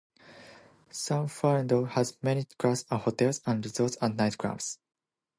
San Fernando has many class A hotels and resorts and night clubs.